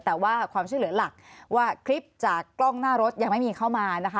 แต่ว่าความช่วยเหลือหลักว่าคลิปจากกล้องหน้ารถยังไม่มีเข้ามานะคะ